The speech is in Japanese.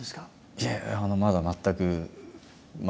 いやまだ全く。